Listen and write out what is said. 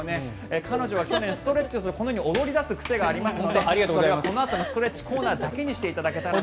彼女は去年ストレッチをするとこのように踊り出す癖がありますのでそれはこのあとのストレッチコーナーだけにしていただきたいです。